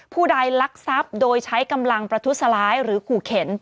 ผู้ใดลักทรัพย์โดยใช้กำลังประทุษร้ายหรือขู่เข็น